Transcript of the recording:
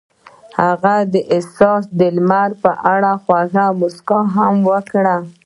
هغې د حساس لمر په اړه خوږه موسکا هم وکړه.